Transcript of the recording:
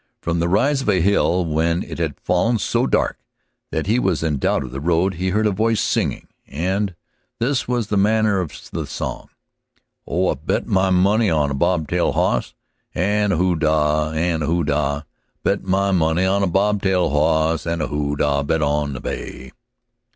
From the rise of a hill, when it had fallen so dark that he was in doubt of the road, he heard a voice singing. And this was the manner of the song: _Oh, I bet my money on a bob tailed hoss, An' a hoo dah, an' a hoo dah; I bet my money on a bob tailed hoss, An' a hoo dah bet on the bay.